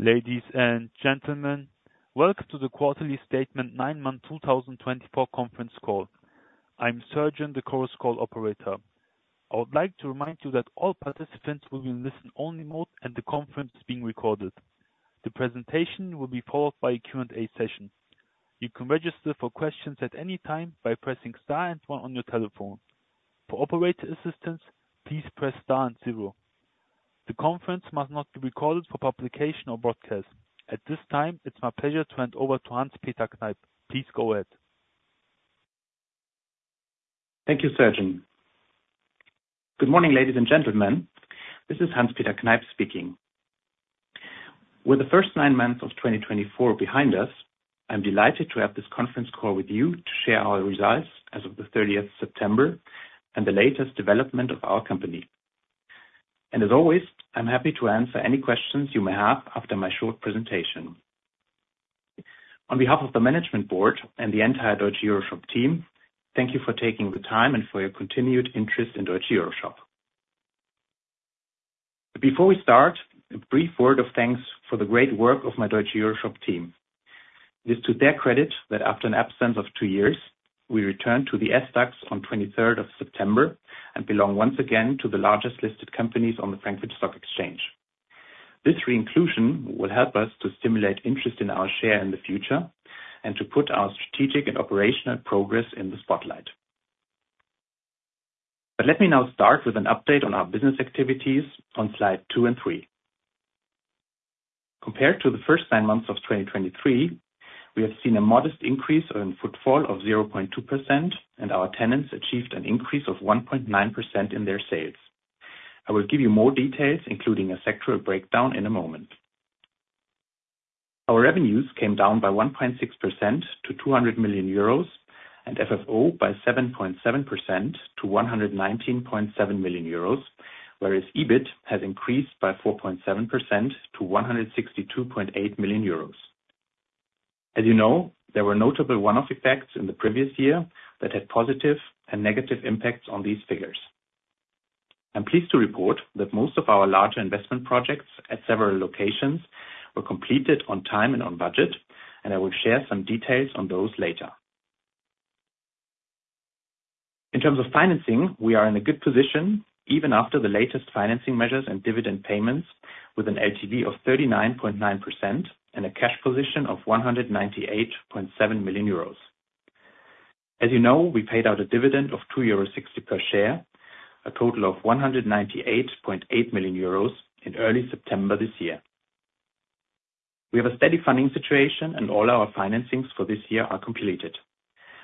Ladies and gentlemen, welcome to the Quarterly Statement Nine Month 2024 Conference Call. I'm Sergen, the conference operator. I would like to remind you that all participants will be in listen-only mode and the conference is being recorded. The presentation will be followed by a Q&A session. You can register for questions at any time by pressing star and one on your telephone. For operator assistance, please press star and zero. The conference must not be recorded for publication or broadcast. At this time, it's my pleasure to hand over to Hans-Peter Kneip. Please go ahead. Thank you, Sergen. Good morning, ladies and gentlemen. This is Hans-Peter Kneip speaking. With the first nine months of 2024 behind us, I'm delighted to have this conference call with you to share our results as of the 30th of September and the latest development of our company, and as always, I'm happy to answer any questions you may have after my short presentation. On behalf of the Management Board and the entire Deutsche EuroShop team, thank you for taking the time and for your continued interest in Deutsche EuroShop. Before we start, a brief word of thanks for the great work of my Deutsche EuroShop team. It is to their credit that after an absence of two years, we returned to the SDAX on the 23rd of September and belong once again to the largest listed companies on the Frankfurt Stock Exchange. This re-inclusion will help us to stimulate interest in our share in the future and to put our strategic and operational progress in the spotlight. But let me now start with an update on our business activities on Slide two and Slide three. Compared to the first nine months of 2023, we have seen a modest increase in footfall of 0.2%, and our tenants achieved an increase of 1.9% in their sales. I will give you more details, including a sectoral breakdown, in a moment. Our revenues came down by 1.6% to 200 million euros and FFO by 7.7% to 119.7 million euros, whereas EBIT has increased by 4.7% to 162.8 million euros. As you know, there were notable one-off effects in the previous year that had positive and negative impacts on these figures. I'm pleased to report that most of our larger investment projects at several locations were completed on time and on budget, and I will share some details on those later. In terms of financing, we are in a good position even after the latest financing measures and dividend payments, with an LTV of 39.9% and a cash position of 198.7 million euros. As you know, we paid out a dividend of 2.60 euros per share, a total of 198.8 million euros in early September this year. We have a steady funding situation, and all our financings for this year are completed.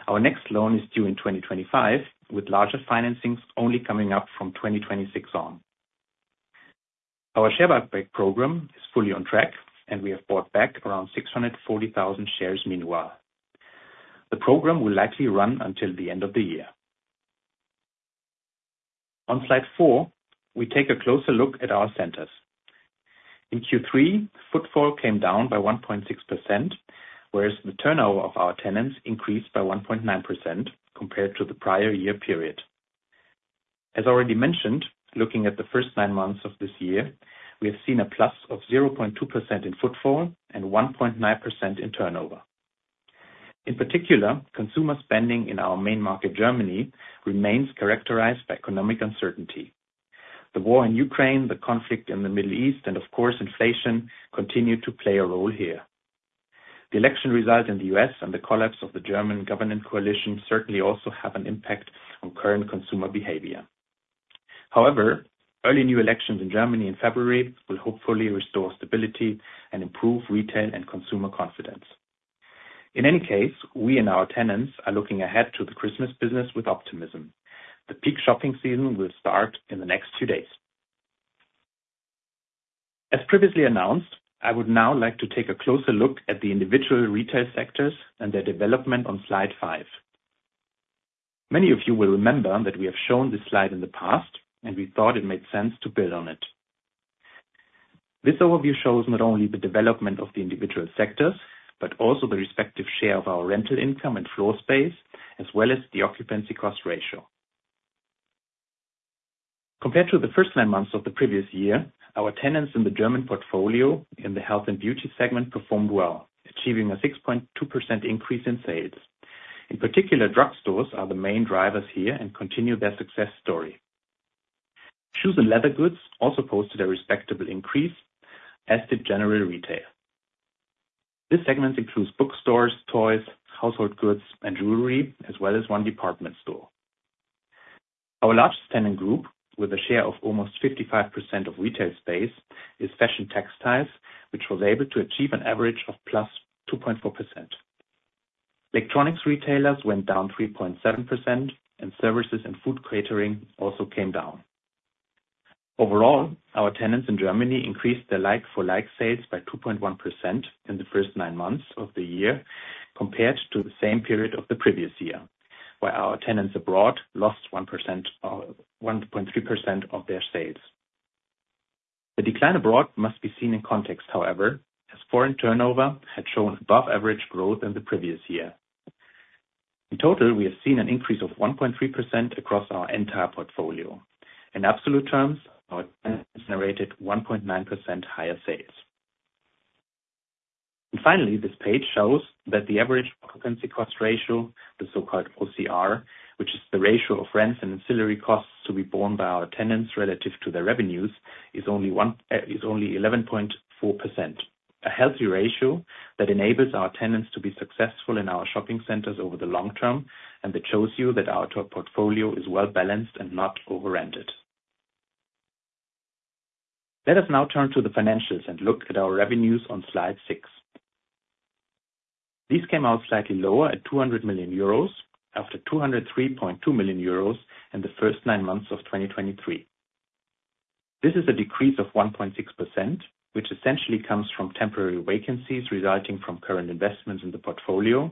Our next loan is due in 2025, with larger financings only coming up from 2026 on. Our share buyback program is fully on track, and we have bought back around 640,000 shares meanwhile. The program will likely run until the end of the year. On Slide four, we take a closer look at our centers. In Q3, footfall came down by 1.6%, whereas the turnover of our tenants increased by 1.9% compared to the prior year period. As already mentioned, looking at the first nine months of this year, we have seen a plus of 0.2% in footfall and 1.9% in turnover. In particular, consumer spending in our main market, Germany, remains characterized by economic uncertainty. The war in Ukraine, the conflict in the Middle East, and of course, inflation continue to play a role here. The election result in the U.S. and the collapse of the German government coalition certainly also have an impact on current consumer behavior. However, early new elections in Germany in February will hopefully restore stability and improve retail and consumer confidence. In any case, we and our tenants are looking ahead to the Christmas business with optimism. The peak shopping season will start in the next few days. As previously announced, I would now like to take a closer look at the individual retail sectors and their development on Slide five. Many of you will remember that we have shown this slide in the past, and we thought it made sense to build on it. This overview shows not only the development of the individual sectors but also the respective share of our rental income and floor space, as well as the occupancy cost ratio. Compared to the first nine months of the previous year, our tenants in the German portfolio in the health and beauty segment performed well, achieving a 6.2% increase in sales. In particular, drugstores are the main drivers here and continue their success story. Shoes and leather goods also posted a respectable increase, as did general retail. This segment includes bookstores, toys, household goods, and jewelry, as well as one department store. Our largest tenant group, with a share of almost 55% of retail space, is fashion textiles, which was able to achieve an average of plus 2.4%. Electronics retailers went down 3.7%, and services and food catering also came down. Overall, our tenants in Germany increased their like-for-like sales by 2.1% in the first nine months of the year compared to the same period of the previous year, while our tenants abroad lost 1.3% of their sales. The decline abroad must be seen in context, however, as foreign turnover had shown above-average growth in the previous year. In total, we have seen an increase of 1.3% across our entire portfolio. In absolute terms, our tenants generated 1.9% higher sales. And finally, this page shows that the average occupancy cost ratio, the so-called OCR, which is the ratio of rents and ancillary costs to be borne by our tenants relative to their revenues, is only 11.4%, a healthy ratio that enables our tenants to be successful in our shopping centers over the long term, and that shows you that our portfolio is well balanced and not over-rented. Let us now turn to the financials and look at our revenues on Slide six. These came out slightly lower at 200 million euros after 203.2 million euros in the first nine months of 2023. This is a decrease of 1.6%, which essentially comes from temporary vacancies resulting from current investments in the portfolio,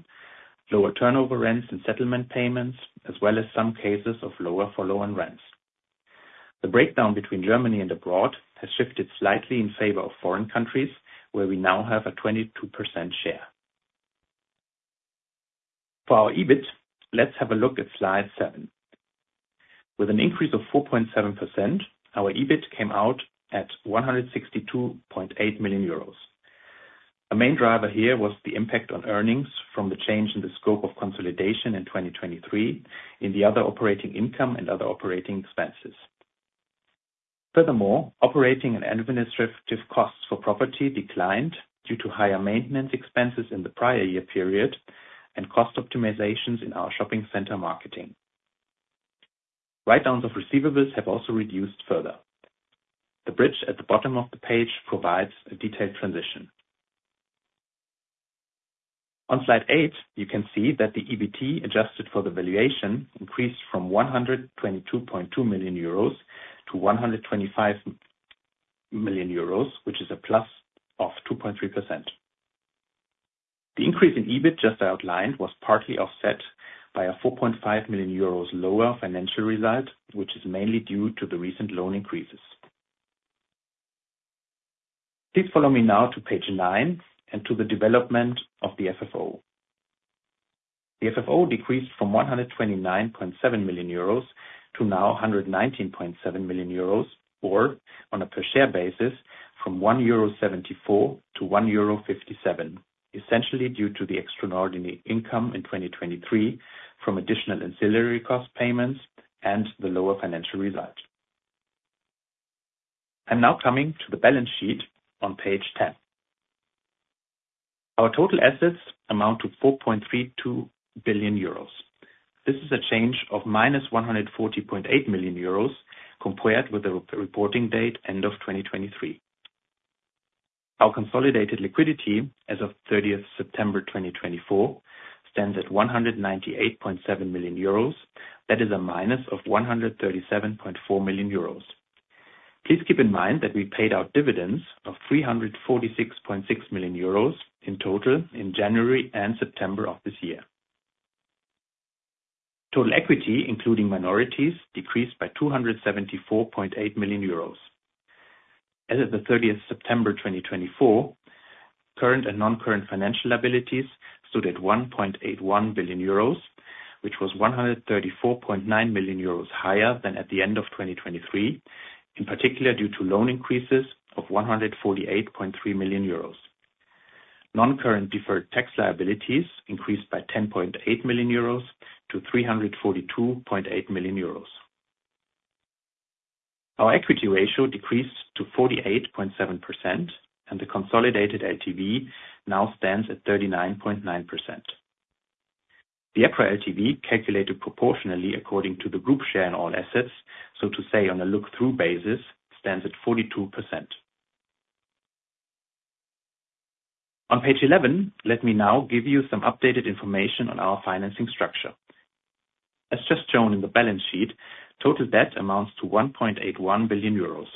lower turnover rents and settlement payments, as well as some cases of lower follow-on rents. The breakdown between Germany and abroad has shifted slightly in favor of foreign countries, where we now have a 22% share. For our EBIT, let's have a look at Slide seven. With an increase of 4.7%, our EBIT came out at 162.8 million euros. The main driver here was the impact on earnings from the change in the scope of consolidation in 2023 in the other operating income and other operating expenses. Furthermore, operating and administrative costs for property declined due to higher maintenance expenses in the prior year period and cost optimizations in our shopping center marketing. Write-downs of receivables have also reduced further. The bridge at the bottom of the page provides a detailed transition. On Slide eight, you can see that the EBT adjusted for the valuation increased from 122.2 million euros to 125 million euros, which is a plus of 2.3%. The increase in EBIT just outlined was partly offset by a 4.5 million euros lower financial result, which is mainly due to the recent loan increases. Please follow me now to page nine and to the development of the FFO. The FFO decreased from 129.7 million euros to now 119.7 million euros, or on a per-share basis, from 1.74 to 1.57, essentially due to the extraordinary income in 2023 from additional ancillary cost payments and the lower financial result. I'm now coming to the balance sheet on page 10. Our total assets amount to 4.32 billion euros. This is a change of minus 140.8 million euros compared with the reporting date end of 2023. Our consolidated liquidity as of 30th September 2024 stands at 198.7 million euros. That is a minus of 137.4 million euros. Please keep in mind that we paid out dividends of 346.6 million euros in total in January and September of this year. Total equity, including minorities, decreased by 274.8 million euros. As of the 30th of September 2024, current and non-current financial liabilities stood at 1.81 billion euros, which was 134.9 million euros higher than at the end of 2023, in particular due to loan increases of 148.3 million euros. Non-current deferred tax liabilities increased by 10.8 million-342.8 million euros. Our equity ratio decreased to 48.7%, and the consolidated LTV now stands at 39.9%. The EPRA LTV calculated proportionally according to the group share in all assets, so to say on a look-through basis, stands at 42%. On page 11, let me now give you some updated information on our financing structure. As just shown in the balance sheet, total debt amounts to 1.81 billion euros.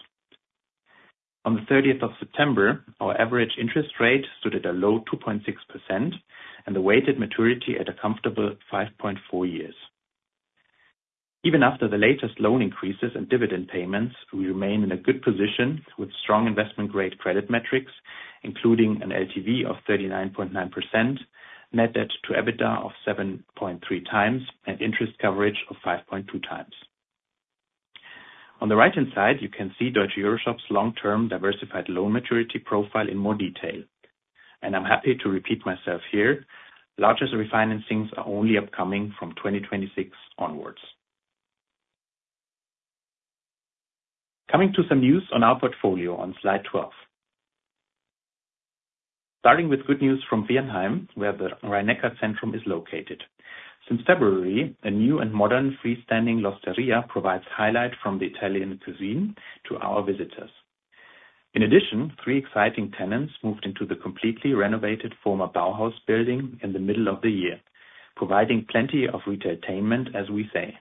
On the 30th of September, our average interest rate stood at a low 2.6%, and the weighted maturity at a comfortable 5.4 years. Even after the latest loan increases and dividend payments, we remain in a good position with strong investment-grade credit metrics, including an LTV of 39.9%, net debt to EBITDA of 7.3 times, and interest coverage of 5.2 times. On the right-hand side, you can see Deutsche EuroShop's long-term diversified loan maturity profile in more detail, and I'm happy to repeat myself here, larger refinancings are only upcoming from 2026 onwards. Coming to some news on our portfolio on Slide 12. Starting with good news from Viernheim, where the Rhein-Neckar-Zentrum is located. Since February, a new and modern freestanding L'Osteria provides highlight from the Italian cuisine to our visitors. In addition, three exciting tenants moved into the completely renovated former Bauhaus building in the middle of the year, providing plenty of retailtainment, as we say.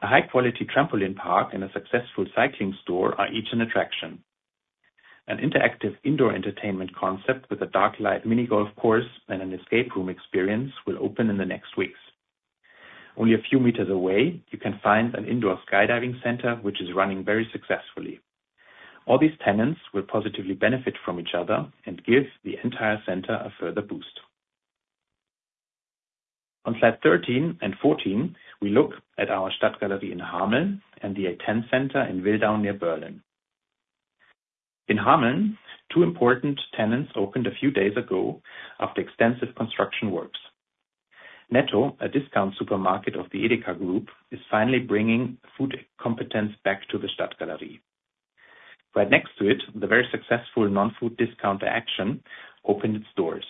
A high-quality trampoline park and a successful cycling store are each an attraction. An interactive indoor entertainment concept with a dark light mini-golf course and an escape room experience will open in the next weeks. Only a few meters away, you can find an indoor skydiving center, which is running very successfully. All these tenants will positively benefit from each other and give the entire center a further boost. On Slide 13 and Slide 14, we look at our Stadt-Galerie in Hameln and the A10 Center in Wildau near Berlin. In Hameln, two important tenants opened a few days ago after extensive construction works. Netto, a discount supermarket of the Edeka Group, is finally bringing food competence back to the Stadt-Galerie. Right next to it, the very successful non-food discounter Action opened its doors.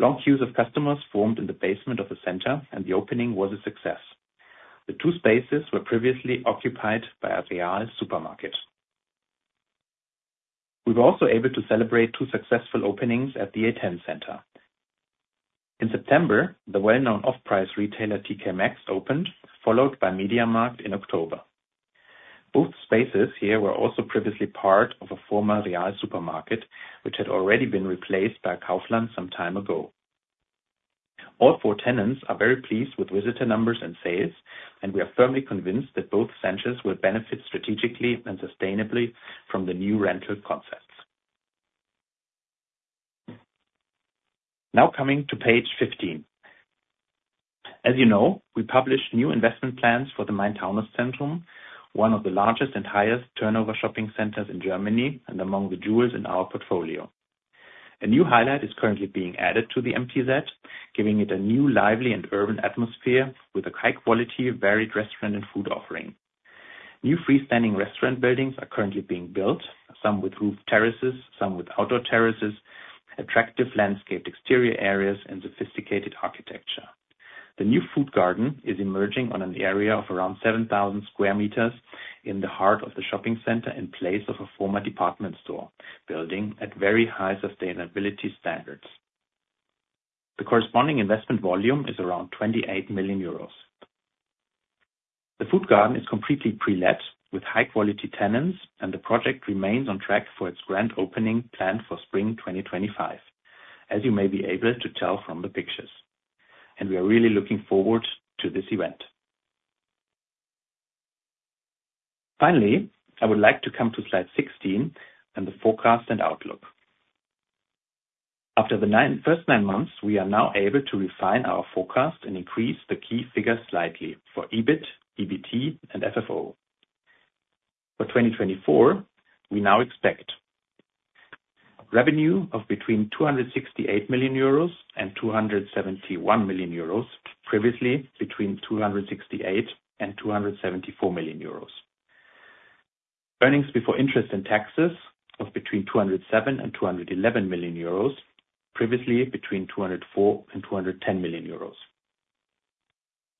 Long queues of customers formed in the basement of the center, and the opening was a success. The two spaces were previously occupied by a Real supermarket. We were also able to celebrate two successful openings at the A10 Center. In September, the well-known off-price retailer TK Maxx opened, followed by MediaMarkt in October. Both spaces here were also previously part of a former Real supermarket, which had already been replaced by Kaufland some time ago. All four tenants are very pleased with visitor numbers and sales, and we are firmly convinced that both centers will benefit strategically and sustainably from the new rental concepts. Now coming to page 15. As you know, we published new investment plans for the Main-Taunus-Zentrum, one of the largest and highest turnover shopping centers in Germany and among the jewels in our portfolio. A new highlight is currently being added to the MTZ, giving it a new lively and urban atmosphere with a high-quality varied restaurant and food offering. New freestanding restaurant buildings are currently being built, some with roof terraces, some with outdoor terraces, attractive landscaped exterior areas, and sophisticated architecture. The new Food Garden is emerging on an area of around 7,000 square meters in the heart of the shopping center in place of a former department store building at very high sustainability standards. The corresponding investment volume is around 28 million euros. The Food Garden is completely pre-let with high-quality tenants, and the project remains on track for its grand opening planned for spring 2025, as you may be able to tell from the pictures, and we are really looking forward to this event. Finally, I would like to come to Slide 16 and the forecast and outlook. After the first nine months, we are now able to refine our forecast and increase the key figures slightly for EBIT, EBT, and FFO. For 2024, we now expect revenue of between 268 million euros and 271 million euros, previously between 268 million and 274 million euros. Earnings before interest and taxes of between 207 million and 211 million euros, previously between 204 million and 210 million euros.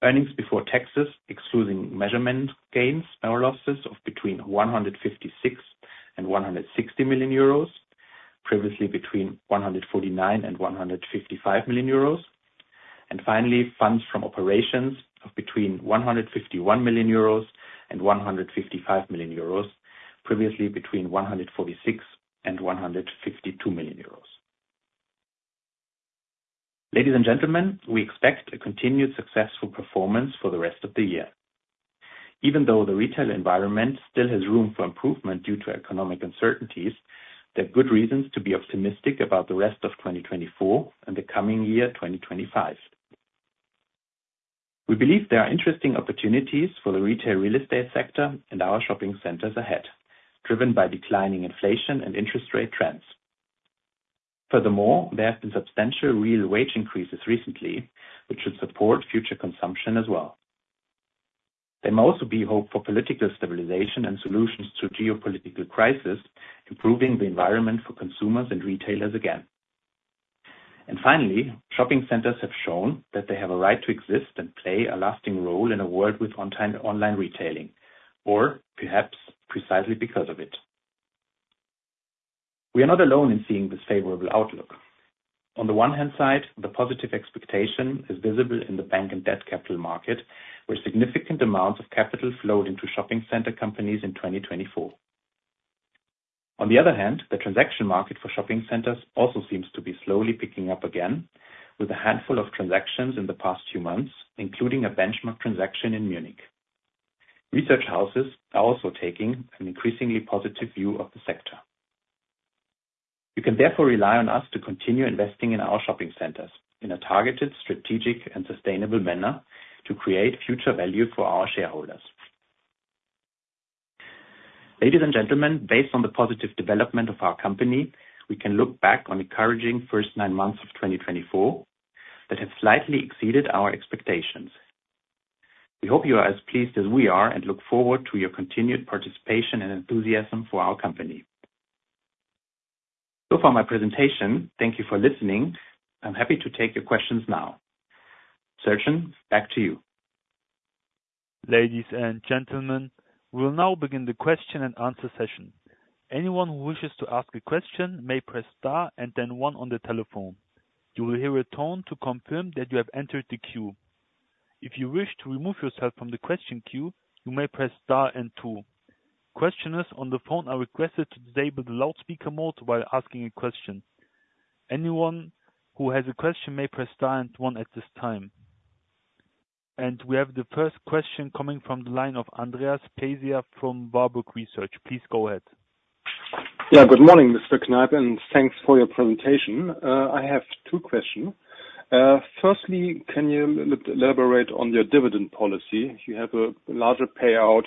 Earnings before taxes, excluding measurement gains, are losses of between 156 million and 160 million euros, previously between 149 million and 155 million euros. Finally, funds from operations of between 151 million euros and 155 million euros, previously between 146 million and 152 million euros. Ladies and gentlemen, we expect a continued successful performance for the rest of the year. Even though the retail environment still has room for improvement due to economic uncertainties, there are good reasons to be optimistic about the rest of 2024 and the coming year 2025. We believe there are interesting opportunities for the retail real estate sector and our shopping centers ahead, driven by declining inflation and interest rate trends. Furthermore, there have been substantial real wage increases recently, which should support future consumption as well. There may also be hope for political stabilization and solutions to geopolitical crises, improving the environment for consumers and retailers again. And finally, shopping centers have shown that they have a right to exist and play a lasting role in a world with online retailing, or perhaps precisely because of it. We are not alone in seeing this favorable outlook. On the one hand side, the positive expectation is visible in the bank and debt capital market, where significant amounts of capital flowed into shopping center companies in 2024. On the other hand, the transaction market for shopping centers also seems to be slowly picking up again, with a handful of transactions in the past few months, including a benchmark transaction in Munich. Research houses are also taking an increasingly positive view of the sector. You can therefore rely on us to continue investing in our shopping centers in a targeted, strategic, and sustainable manner to create future value for our shareholders. Ladies and gentlemen, based on the positive development of our company, we can look back on encouraging first nine months of 2024 that have slightly exceeded our expectations. We hope you are as pleased as we are and look forward to your continued participation and enthusiasm for our company. So far, my presentation. Thank you for listening. I'm happy to take your questions now. Sergen, back to you. Ladies and gentlemen, we will now begin the question and answer session. Anyone who wishes to ask a question may press star and then one on the telephone. You will hear a tone to confirm that you have entered the queue. If you wish to remove yourself from the question queue, you may press star and two. Questioners on the phone are requested to disable the loudspeaker mode while asking a question. Anyone who has a question may press star and one at this time, and we have the first question coming from the line of Andreas Pläsier from Warburg Research. Please go ahead. Yeah, good morning, Mr. Kneip, and thanks for your presentation. I have two questions. Firstly, can you elaborate on your dividend policy? You have a larger payout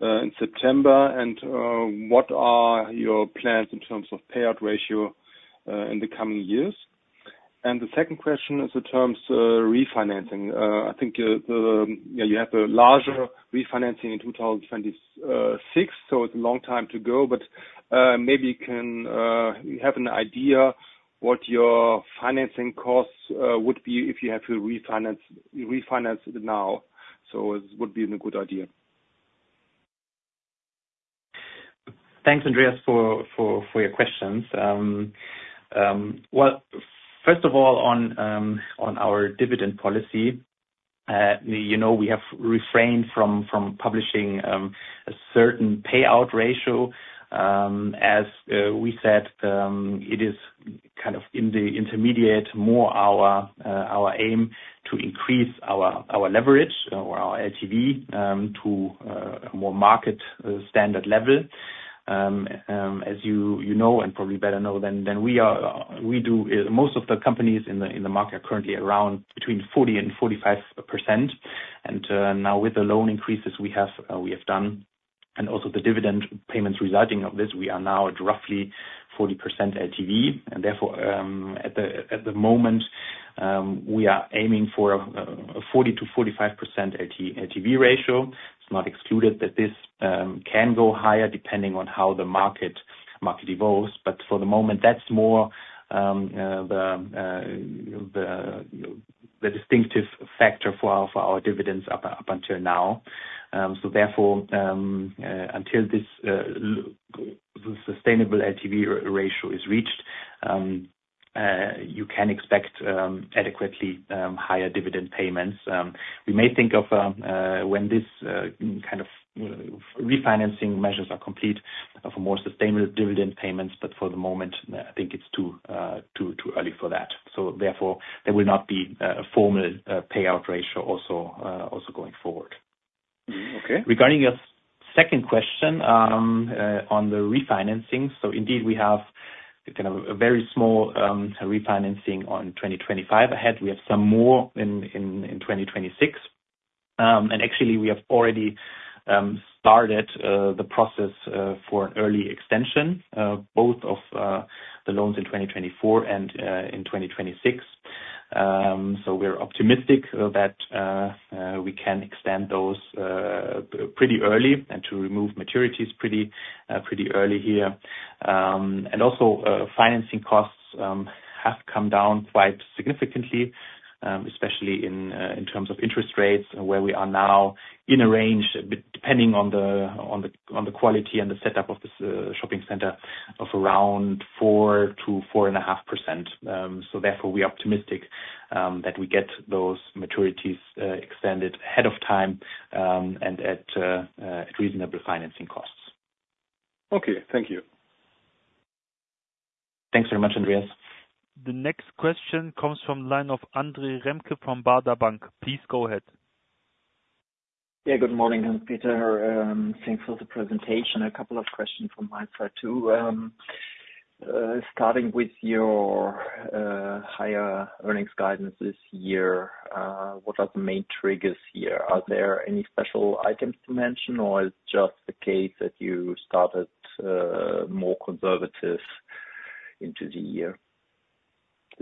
in September, and what are your plans in terms of payout ratio in the coming years, and the second question is in terms of refinancing. I think you have a larger refinancing in 2026, so it's a long time to go, but maybe you can have an idea what your financing costs would be if you have to refinance it now, so it would be a good idea. Thanks, Andreas, for your questions. First of all, on our dividend policy, you know we have refrained from publishing a certain payout ratio. As we said, it is kind of in the intermediate more our aim to increase our leverage or our LTV to a more market standard level. As you know, and probably better know than we are, most of the companies in the market are currently around between 40%-45%. And now, with the loan increases we have done, and also the dividend payments resulting of this, we are now at roughly 40% LTV. And therefore, at the moment, we are aiming for a 40%-45% LTV ratio. It's not excluded that this can go higher depending on how the market evolves, but for the moment, that's more the distinctive factor for our dividends up until now. So therefore, until this sustainable LTV ratio is reached, you can expect adequately higher dividend payments. We may think of when this kind of refinancing measures are complete for more sustainable dividend payments, but for the moment, I think it's too early for that. So therefore, there will not be a formal payout ratio also going forward. Regarding your second question on the refinancing, so indeed, we have kind of a very small refinancing on 2025 ahead. We have some more in 2026. And actually, we have already started the process for an early extension, both of the loans in 2024 and in 2026. So we're optimistic that we can extend those pretty early and to remove maturities pretty early here. And also, financing costs have come down quite significantly, especially in terms of interest rates, where we are now in a range, depending on the quality and the setup of this shopping center, of around 4-4.5%. So therefore, we are optimistic that we get those maturities extended ahead of time and at reasonable financing costs. Okay, thank you. Thanks very much, Andreas. The next question comes from the line of Andre Remke from Baader Bank. Please go ahead. Yeah, good morning, Hans-Peter. Thanks for the presentation. A couple of questions from my side too. Starting with your higher earnings guidance this year, what are the main triggers here? Are there any special items to mention, or is it just the case that you started more conservative into the year?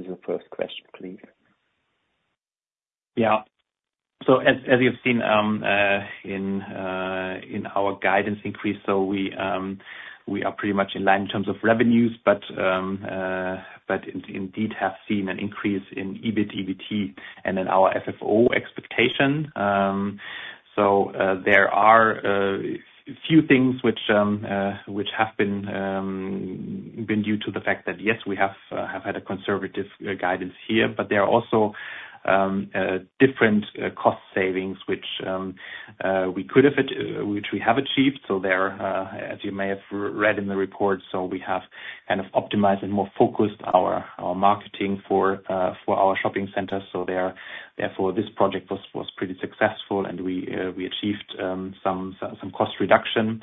This is your first question, please. Yeah. So as you've seen in our guidance increase, so we are pretty much in line in terms of revenues, but indeed have seen an increase in EBIT, EBT, and in our FFO expectation. So there are a few things which have been due to the fact that, yes, we have had a conservative guidance here, but there are also different cost savings which we have achieved. So there, as you may have read in the report, so we have kind of optimized and more focused our marketing for our shopping centers. So therefore, this project was pretty successful, and we achieved some cost reduction.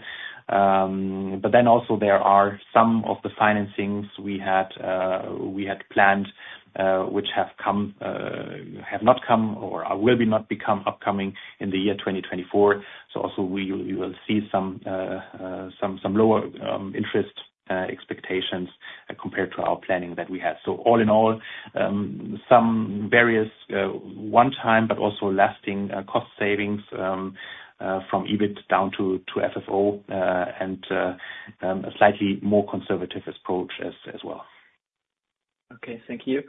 But then also, there are some of the financings we had planned which have not come or will not become upcoming in the year 2024. So also, we will see some lower interest expectations compared to our planning that we had. So all in all, some various one-time, but also lasting cost savings from EBIT down to FFO and a slightly more conservative approach as well. Okay, thank you.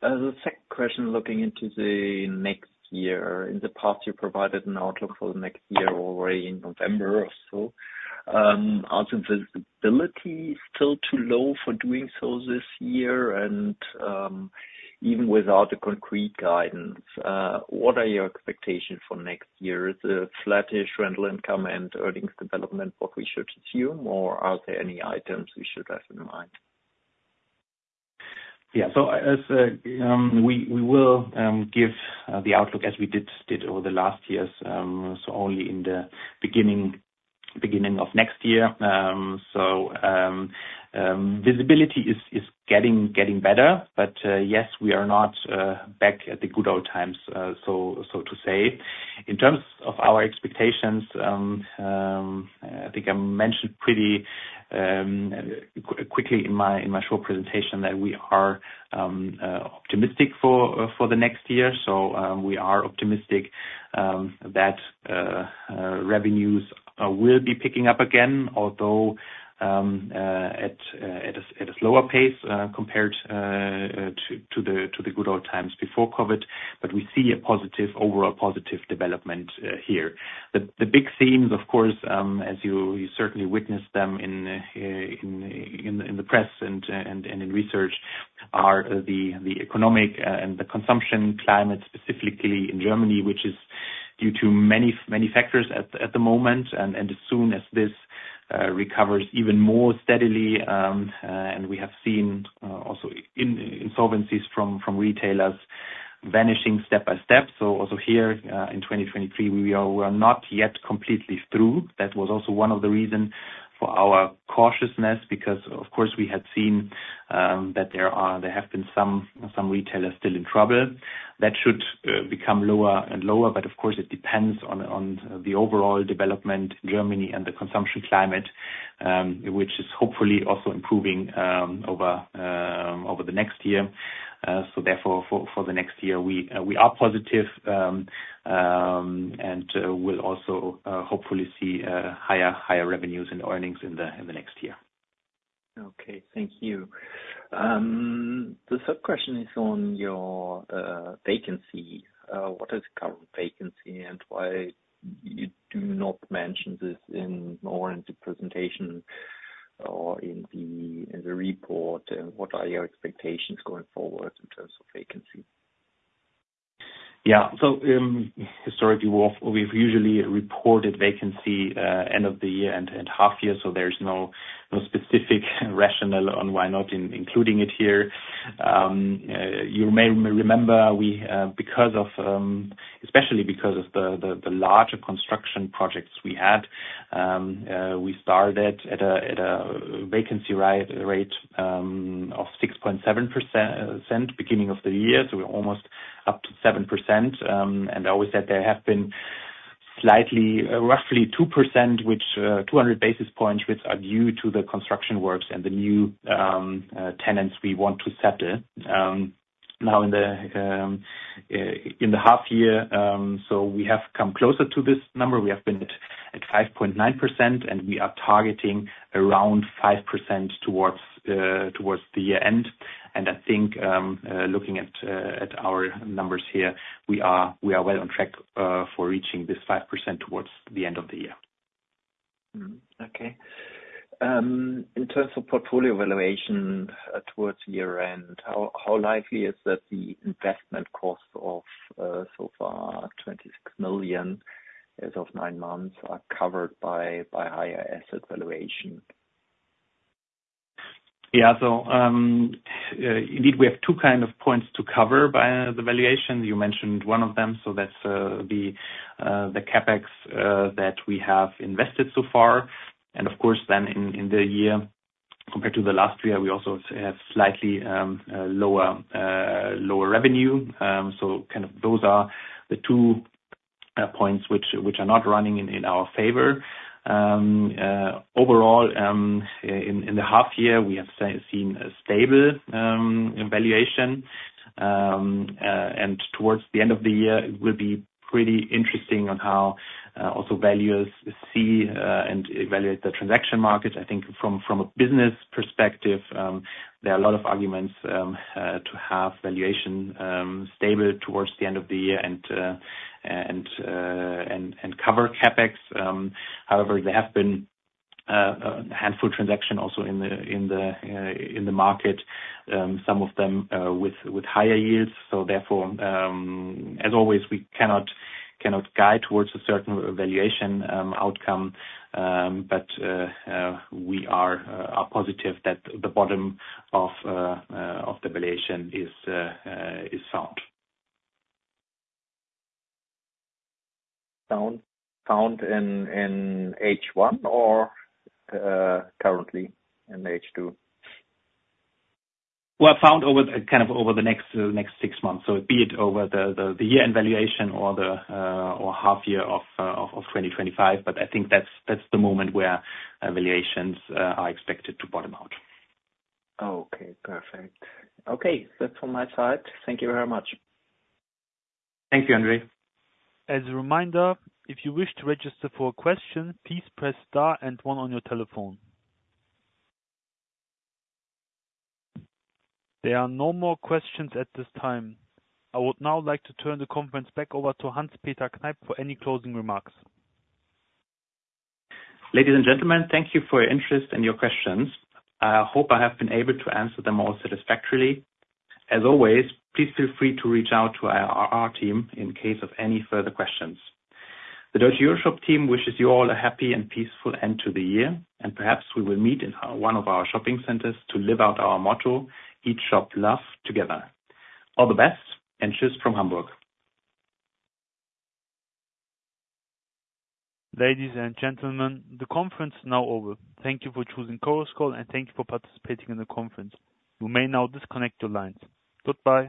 The second question, looking into the next year. In the past, you provided an outlook for the next year already in November or so. Are the visibility still too low for doing so this year? And even without the concrete guidance, what are your expectations for next year? Is it a flattish rental income and earnings development what we should assume, or are there any items we should have in mind? Yeah, so we will give the outlook as we did over the last years, so only in the beginning of next year. So visibility is getting better, but yes, we are not back at the good old times, so to say. In terms of our expectations, I think I mentioned pretty quickly in my short presentation that we are optimistic for the next year, so we are optimistic that revenues will be picking up again, although at a slower pace compared to the good old times before COVID, but we see a positive, overall positive development here. The big themes, of course, as you certainly witnessed them in the press and in research, are the economic and the consumption climate, specifically in Germany, which is due to many factors at the moment, and as soon as this recovers even more steadily, and we have seen also insolvencies from retailers vanishing step by step, so also here in 2023, we are not yet completely through. That was also one of the reasons for our cautiousness because, of course, we had seen that there have been some retailers still in trouble. That should become lower and lower, but of course, it depends on the overall development in Germany and the consumption climate, which is hopefully also improving over the next year. So therefore, for the next year, we are positive and will also hopefully see higher revenues and earnings in the next year. Okay, thank you. The third question is on your vacancy. What is current vacancy and why you do not mention this in the presentation or in the report? What are your expectations going forward in terms of vacancy? Yeah, so historically, we've usually reported vacancy end of the year and half year, so there's no specific rationale on why not including it here. You may remember, especially because of the larger construction projects we had, we started at a vacancy rate of 6.7% beginning of the year, so we're almost up to 7%. I always said there have been slightly, roughly 200 basis points which are due to the construction works and the new tenants we want to settle. Now, in the half year, so we have come closer to this number. We have been at 5.9%, and we are targeting around 5% towards the year end. I think looking at our numbers here, we are well on track for reaching this 5% towards the end of the year. Okay. In terms of portfolio valuation towards year-end, how likely is that the investment costs of so far 26 million as of nine months are covered by higher asset valuation? Yeah, so indeed, we have two kind of points to cover by the valuation. You mentioned one of them, so that's the CapEx that we have invested so far. Of course, then in the year, compared to the last year, we also have slightly lower revenue. Kind of those are the two points which are not running in our favor. Overall, in the half year, we have seen a stable valuation, and towards the end of the year, it will be pretty interesting on how also values see and evaluate the transaction market. I think from a business perspective, there are a lot of arguments to have valuation stable towards the end of the year and cover CapEx. However, there have been a handful of transactions also in the market, some of them with higher yields. Therefore, as always, we cannot guide towards a certain valuation outcome, but we are positive that the bottom of the valuation is found in H1 or currently in H2? Found kind of over the next six months, so be it over the year-end valuation or half year of 2025, but I think that's the moment where valuations are expected to bottom out. Okay, perfect. Okay, that's all my side. Thank you very much. Thank you, Andre. As a reminder, if you wish to register for a question, please press star and one on your telephone. There are no more questions at this time. I would now like to turn the conference back over to Hans-Peter Kneip for any closing remarks. Ladies and gentlemen, thank you for your interest and your questions. I hope I have been able to answer them all satisfactorily. As always, please feel free to reach out to our team in case of any further questions. The Deutsche EuroShop team wishes you all a happy and peaceful end to the year, and perhaps we will meet in one of our shopping centers to live out our motto: "Eat, Shop, Love, Together." All the best and cheers from Hamburg. Ladies and gentlemen, the conference is now over. Thank you for choosing Chorus Call, and thank you for participating in the conference. You may now disconnect your lines. Goodbye.